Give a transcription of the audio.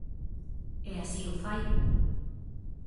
E así o fai.